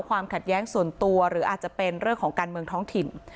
ความขัดแย้งส่วนตัวหรืออาจจะเป็นเรื่องของการเมืองท้องถิ่น